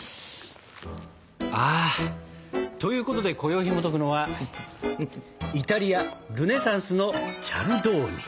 あ。ということでこよいひもとくのは「イタリア・ルネサンスのチャルドーニ」。